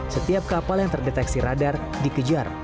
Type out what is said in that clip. setiap kapal yang terdeteksi radar dikejar